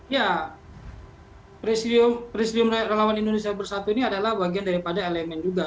ya presidium relawan indonesia bersatu ini adalah bagian daripada elemen juga